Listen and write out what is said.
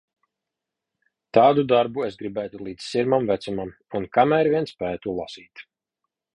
Tādu darbu es gribētu līdz sirmam vecumam un kamēr vien spētu lasīt.